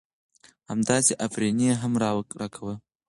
همداسې افرينى يې هم را کوه .